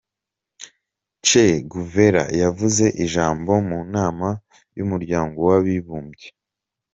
Che Guevara yavuze ijambo mu nama y’umuryango w’abibumbye.